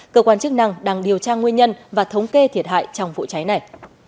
cơ quan chức năng đang điều tra nguyên nhân và thống kê thiệt hại trong vụ cháy này